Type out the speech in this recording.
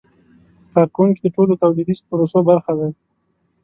کارکوونکي د ټولو تولیدي پروسو برخه دي.